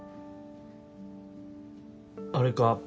あれか？